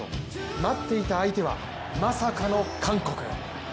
待っていた相手は、まさかの韓国。